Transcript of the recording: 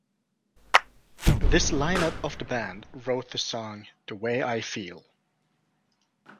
This line-up of the band wrote the song "The Way I Feel".